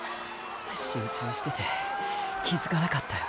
集中してて気づかなかったよ。